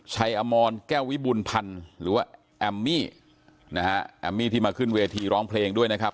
อมรแก้ววิบุญพันธ์หรือว่าแอมมี่นะฮะแอมมี่ที่มาขึ้นเวทีร้องเพลงด้วยนะครับ